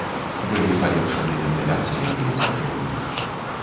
Былі палепшаны вентыляцыя і ацяпленне.